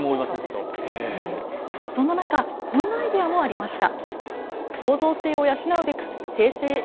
そんな中こんなアイデアもありました。